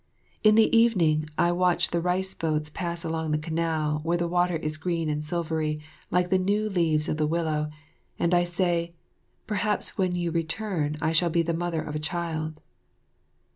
In the evening I watch the rice boats pass along the canal, where the water is green and silvery like the new leaves of the willow, and I say, "Perhaps when you return, I shall be the mother of a child."